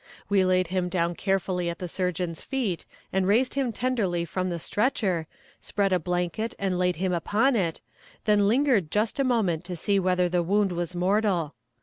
We laid him down carefully at the surgeon's feet, and raised him tenderly from the stretcher, spread a blanket and laid him upon it, then lingered just a moment to see whether the wound was mortal.